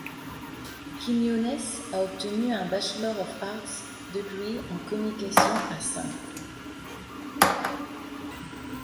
Quiñones a obtenu un Bachelor of Arts degree en communication à St.